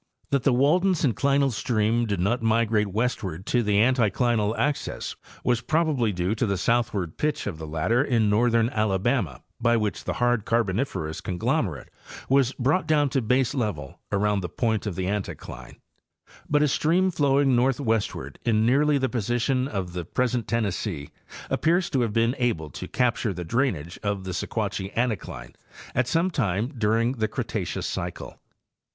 That the Walden synclinal stream did not migrate westward to the anti clinal axis was probably due to the southward pitch of the latter in northern Alabama by which the hard Carboniferous conglomerate was brought down to baselevel around the point of the anticline; but a stream flowing northwestward in nearly the position of the present Tennessee appears to have been able to capture the drainage of the Sequatchie anticline at some time during the Cretaceous cycle.